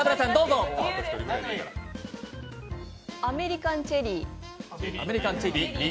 アメリカンチェリー。